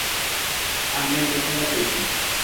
আহ, man, বেশ মজা পেয়েছি।